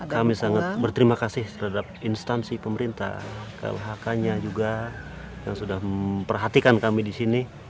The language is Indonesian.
kami sangat berterima kasih terhadap instansi pemerintah klhk nya juga yang sudah memperhatikan kami di sini